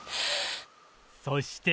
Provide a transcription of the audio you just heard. そして。